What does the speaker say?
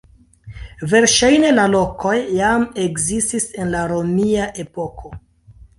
Verŝajne la lokoj jam ekzistis en la romia epoko.